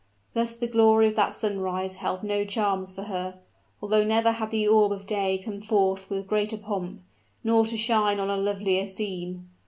Thus the glory of that sunrise had no charms for her; although never had the orb of day come forth with greater pomp, nor to shine on a lovelier scene.